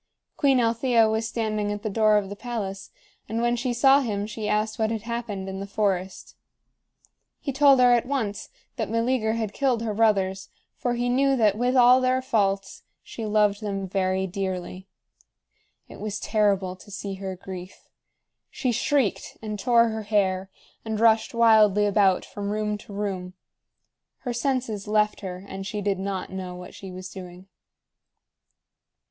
Queen Althea was standing at the door of the palace, and when she saw him she asked what had happened in the forest He told her at once that Meleager had killed her brothers, for he knew that, with all their faults, she loved them very dearly. It was terrible to see her grief. She shrieked, and tore her hair, and rushed wildly about from room to room. Her senses left her, and she did not know what she was doing.